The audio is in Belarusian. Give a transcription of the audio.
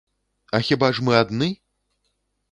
А хіба ж мы адны?